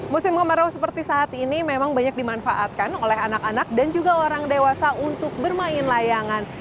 musim kemarau seperti saat ini memang banyak dimanfaatkan oleh anak anak dan juga orang dewasa untuk bermain layangan